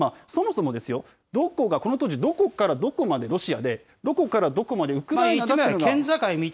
そもそもですよ、この当時、どこからどこまでロシアで、どこからどこまでウクライナなのか。